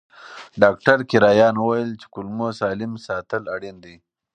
ډاکټر کرایان وویل چې کولمو سالم ساتل اړین دي.